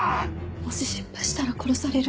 もし失敗したら殺される。